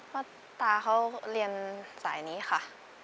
ตาเขาเรียนสายนี้ค่ะ